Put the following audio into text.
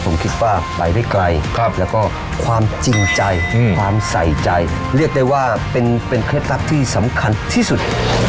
ผมคิดว่าไปได้ไกลแล้วก็ความจริงใจความใส่ใจเรียกได้ว่าเป็นเคล็ดลับที่สำคัญที่สุด